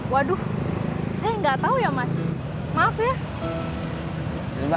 waduh saya nggak tahu ya mas maaf ya hai mbak makasih ya